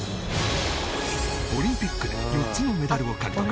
オリンピックで４つのメダルを獲得